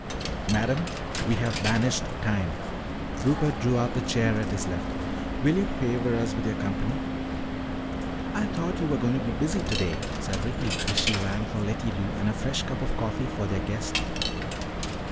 "Madam, we have banished time." Rupert drew out the chair at his left. "Will you favor us with your company?" "I thought you were going to be busy today," said Ricky as she rang for Letty Lou and a fresh cup of coffee for their guest.